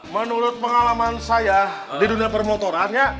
menurut pengalaman saya di dunia permotorannya